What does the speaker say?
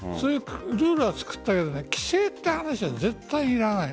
ルールは作ったけど規制って話は絶対にいらない。